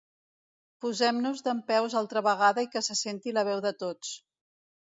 Posem-nos dempeus altra vegada i que se senti la veu de tots.